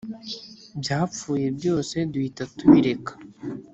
byapfuye byose duhita tubireka